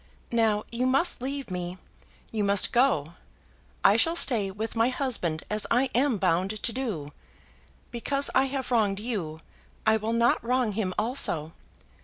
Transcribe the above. Now, you must leave me. You must go. I shall stay with my husband as I am bound to do. Because I have wronged you, I will not wrong him also.